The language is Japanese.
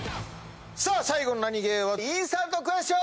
さあ最後のナニゲーはインスタントクエスチョン？